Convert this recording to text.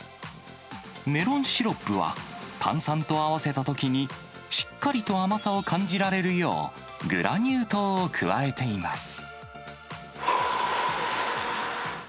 メロンシロップは、炭酸と合わせたときに、しっかりと甘さを感じられるよう、グラニュー糖を加えています。